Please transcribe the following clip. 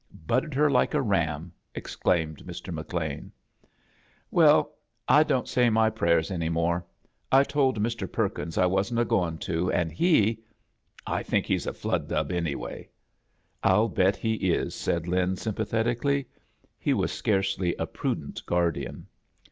"Butted her like a ram," exclaimed Mr. KEcLeao. "Vefl, I don't say my prayers any more. I told Mr. Perkins I wasn't i g(Aog to, an' he — I think he's a flubdub, anyway." "I'll bet he isl" said Lin, sympathetical ly. He was scarcely a prudent guardian.